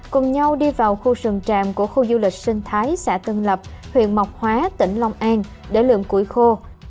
cùng nhau đi vào khu sườn trạm của khu du lịch sinh thái xã tân lập huyện mộc hóa tỉnh long an để lượm củi khô